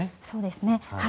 そうですね。